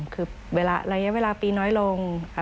คือระยะเวลาปีน้อยลงค่ะ